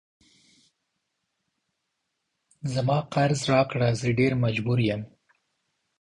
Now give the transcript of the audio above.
زما قرض راکړه زه ډیر مجبور یم